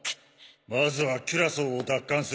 まずはキュラソーを奪還する。